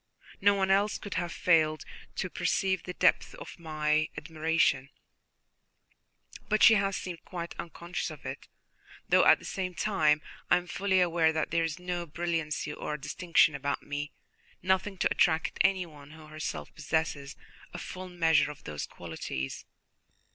No one else could have failed to perceive the depth of my admiration, but she has seemed quite unconscious of it, though at the same time I am fully aware that there is no brilliancy or distinction about me, nothing to attract anyone who herself possesses a full measure of those qualities."